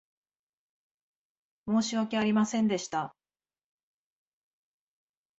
申し訳ありませんでした。